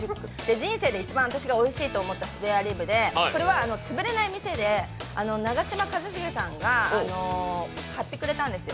人生で一番、私がおいしいと思ったスペアリブで、それは「つぶれない店」で長嶋一茂さんが買ってくれたんですよ。